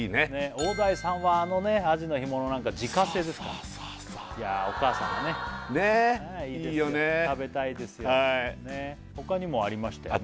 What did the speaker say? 大鯛さんはあのアジの干物なんか自家製ですからいやお母さんがねねぇいいよね食べたいですよほかにもありましたよね